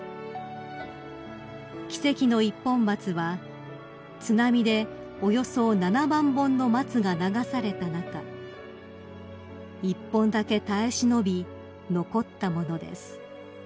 ［奇跡の一本松は津波でおよそ７万本の松が流された中１本だけ耐え忍び残ったものです］